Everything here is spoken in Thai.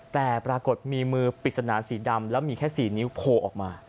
แต่ปรากฏมีมือปริศนาสีดำแล้วมีแค่๔นิ้วโผล่ออกมา